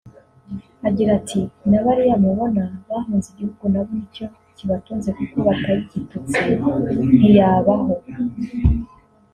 Agira ati “Na bariya mubona bahunze igihugu nabo nicyo kibatunze kuko batagitutse ntiyabaho